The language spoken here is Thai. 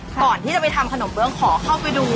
ก่อนที่จะไปทำขนมเบื้องขอเข้าไปดู